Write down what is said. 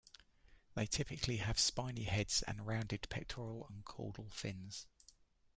They typically have spiny heads, and rounded pectoral and caudal fins.